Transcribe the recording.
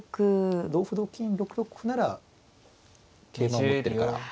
同歩同金６六歩なら桂馬を持ってるから。